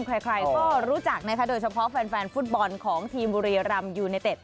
ใครก็รู้จักนะคะโดยเฉพาะแฟนฟุตบอลของทีมบุรีรำยูเนเต็ด